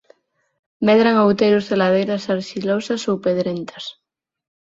Medra en outeiros e ladeiras arxilosas ou pedrentas.